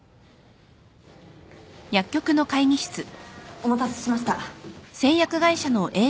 お待たせしました。